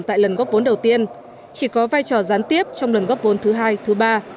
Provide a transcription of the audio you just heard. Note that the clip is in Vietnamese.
tại lần góp vốn đầu tiên chỉ có vai trò gián tiếp trong lần góp vốn thứ hai thứ ba